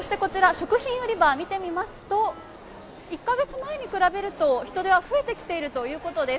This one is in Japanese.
食品売り場、見てみますと、１か月前に比べると人出は増えてきているということです。